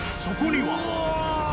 そこには。